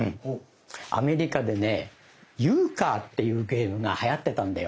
アメリカでね「ユーカー」っていうゲームがはやってたんだよ。